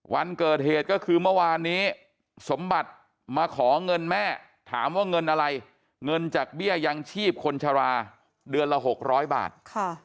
วันเกิดเหตุก็คือเมื่อวานนี้สมบัติมาขอเงินแม่ถามว่าเงินอะไรเงินจากเบี้ยยังชีพคนชราเดือนละ๖๐๐บาท